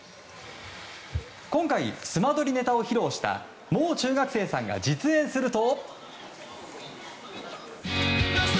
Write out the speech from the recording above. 今回、スマドリネタを披露したもう中学生さんが実演すると。